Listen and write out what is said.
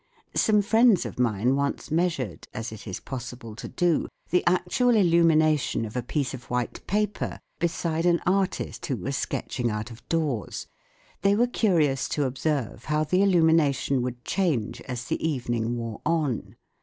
Some friends of mine once measured, as it is possible to do, the actual illumination of a piece of white paper beside an artist who was sketching out of doors ; they were curious to observe how the illumination would change as the evening wore on.